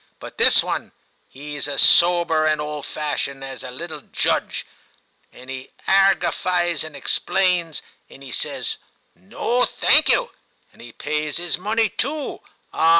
But this one, 'e's as sober and old fashioned as a little judge, and 'e argifies and explains, and 'e says " No, thank you," and he pays 'is money too : ah